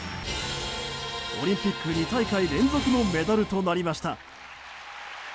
オリンピック２大会連続のメダルとなりました。